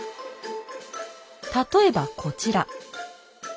例えばこちら。